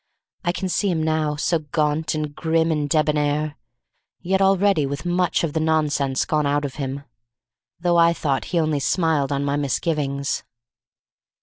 I can see him now, so gaunt and grim and debonair, yet already with much of the nonsense gone out of him, though I thought he only smiled on my misgivings.